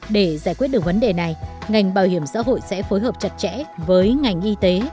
để giải quyết được vấn đề này ngành bảo hiểm xã hội sẽ phối hợp chặt chẽ với ngành y tế